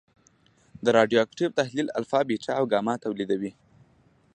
د رادیواکتیو تحلیل الفا، بیټا او ګاما تولیدوي.